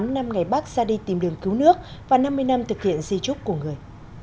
một trăm linh tám năm ngày bác ra đi tìm đường cứu nước và năm mươi năm thực hiện di trúc của người